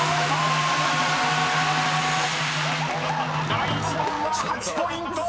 ［第１問は８ポイント。